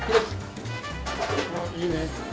いいですか？